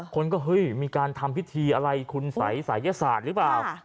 คนก็เฮ้ยมีการทำพิธีอะไรคุณสัยศัยยศาสตร์หรือเปล่า